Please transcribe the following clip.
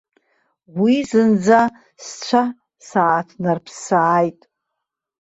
Уи зынӡа сцәа сааҭнарԥсааит.